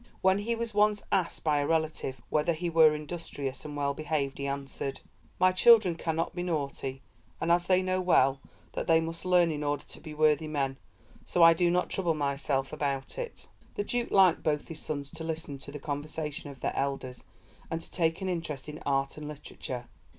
When he was once asked by a relative whether we were industrious and well behaved, he answered: 'My children cannot be naughty, and as they know well that they must learn in order to be worthy men, so I do not trouble myself about it.'" The Duke liked both his sons to listen to the conversation of their elders and to take an interest in art and literature.